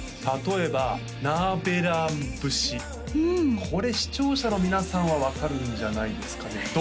例えばこれ視聴者の皆さんは分かるんじゃないですかね？